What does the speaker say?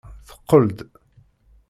Teqqel-d.